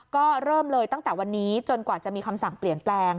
ก็เริ่มเลยตั้งแต่วันนี้จนกว่าจะมีคำสั่งเปลี่ยนแปลง